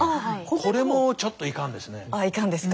これもちょっといかんですね。